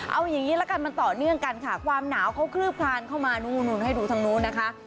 เอาอย่างนี้ละกันมันต่อเนื่องกันค่ะความหนาวเขาคลือบคลานเข้ามานู่นให้ดูทางนู้นนะคะ